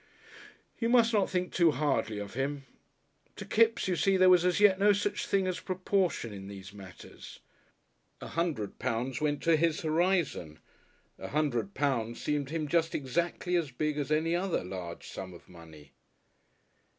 You must not think too hardly of him. To Kipps you see there was as yet no such thing as proportion in these matters. A hundred pounds went to his horizon. A hundred pounds seemed to him just exactly as big as any other large sum of money.